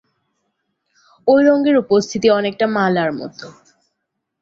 ওই রঙের উপস্থিতি অনেকটা মালার মতো।